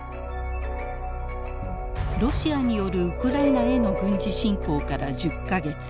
ロシアによるウクライナへの軍事侵攻から１０か月